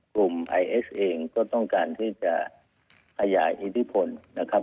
กลุ่มไอเอสเองก็ต้องการที่จะขยายอิทธิพลนะครับ